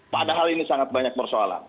padahal ini sangat banyak persoalan